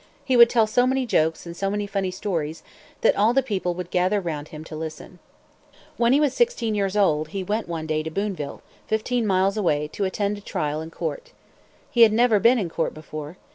He would tell so many jokes and so many funny stories, that all the people would gather round him to listen. When he was sixteen years old he went one day to Booneville, fifteen miles away, to attend a trial in court. He had never been in court before.